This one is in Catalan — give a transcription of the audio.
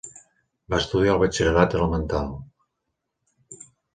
Va estudiar el batxillerat elemental.